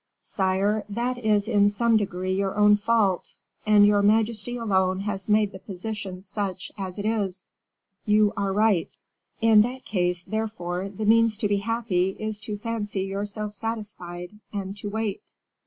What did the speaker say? "Sire, that is in some degree your own fault, and your majesty alone has made the position such as it is." "You are right." "In that case, therefore, the means to be happy, is to fancy yourself satisfied, and to wait."